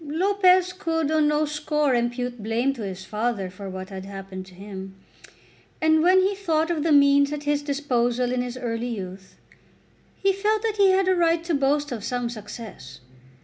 Lopez could on no score impute blame to his father for what had happened to him. And, when he thought of the means at his disposal in his early youth, he felt that he had a right to boast of some success.